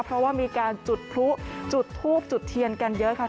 เพราะว่ามีการจุดพลุจุดทูบจุดเทียนกันเยอะค่ะ